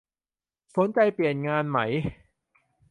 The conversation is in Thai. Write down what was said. สนใจเปลี่ยนงานไหม